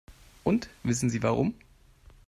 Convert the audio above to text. Und wissen Sie warum?